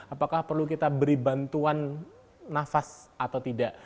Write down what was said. apakah perlu kita beri bantuan nafas atau tidak